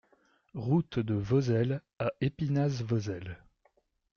Route de Vozelle à Espinasse-Vozelle